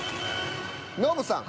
ノブさん。